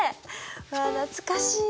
うわ懐かしい。